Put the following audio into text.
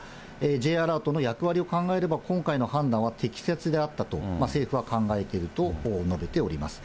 Ｊアラートの役割を考えれば、今回の判断は適切であったと、政府は考えていると述べております。